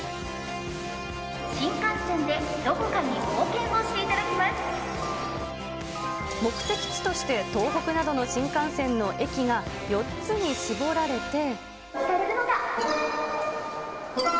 新幹線でどこかに冒険をして目的地として、東北などの新幹線の駅が４つに絞られて。